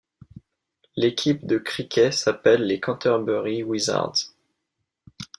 L'équipe de cricket s'appelle les Canterbury Wizards.